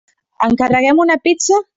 Encarreguem una pizza?